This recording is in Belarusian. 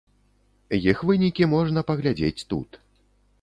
Іх вынікі можна паглядзець тут.